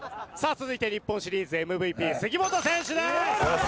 続いて日本シリーズＭＶＰ杉本選手です。